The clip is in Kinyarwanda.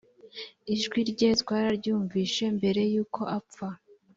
ijwi rye twararyumvishe mbere yuko apfa